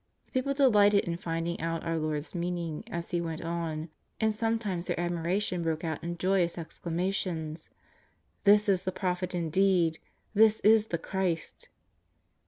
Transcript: The people delighted in find ing out our Lord's meaning as He went on, and some times their admiration broke out in joyous exclama tions :" This is the Prophet indeed ! This is the Christ